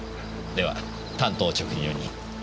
では単刀直入に。